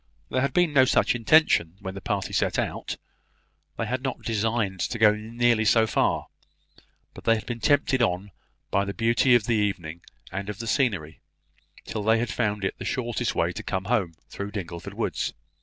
There had been no such intention when the party set out; they had not designed to go nearly so far; but they had been tempted on by the beauty of the evening and of the scenery, till they had found it the shortest way to come home through the Dingleford woods.